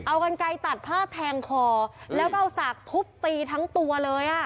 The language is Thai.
เอากันไกลตัดผ้าแทงคอแล้วก็เอาสากทุบตีทั้งตัวเลยอ่ะ